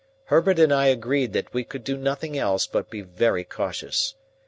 Herbert and I agreed that we could do nothing else but be very cautious.